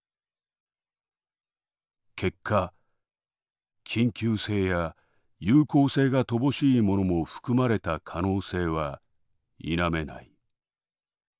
結果緊急性や有効性が乏しいものも含まれた可能性は否めない」。